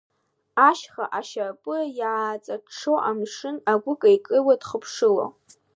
Ашьха ашьапы иааҵаҽҽо амшын, агәы кеикеиуа дхыԥшыло.